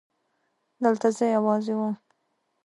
دلته زه يوازې وم.